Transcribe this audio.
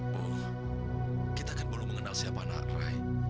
polly kita kan belum mengenal siapa anak ray